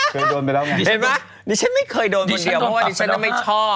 เคยโดนไปแล้วไงใช่ไหมดิฉันไม่เคยโดนคนเดียวเพราะว่าดิฉันไม่ชอบ